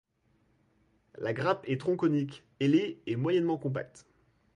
La grappe est tronconique, ailée et moyennement compacte.